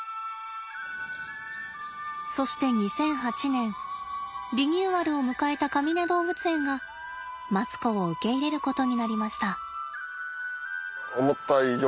そして２００８年リニューアルを迎えたかみね動物園がマツコを受け入れることになりました。